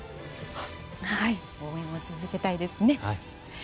応援を続けたいですね。